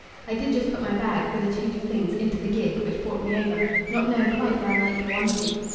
"I did just put my bag, with a change of things, into the gig, which brought me over, not knowing quite where I might go on to."